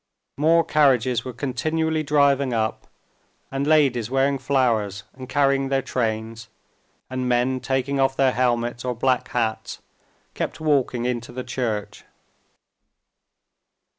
More carriages were continually driving up, and ladies wearing flowers and carrying their trains, and men taking off their helmets or black hats kept walking into the church.